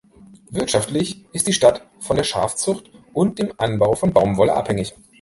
Wirtschaftlich ist die Stadt von der Schafzucht und dem Anbau von Baumwolle abhängig.